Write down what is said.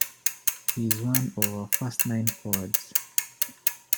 He's one of our first nine forwards.